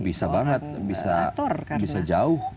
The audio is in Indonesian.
bisa banget bisa jauh